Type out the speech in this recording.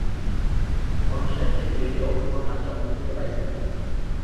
অনুষ্ঠানটি রুয়েটে অক্টোবর মাসে অনুষ্ঠিত হয়েছিলো।